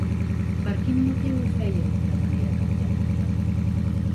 Per quin motiu ho feia de manera cautelosa?